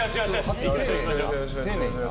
丁寧にな。